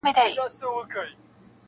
حکمتونه د لقمان دي ستا مرحم مرحم کتو کي,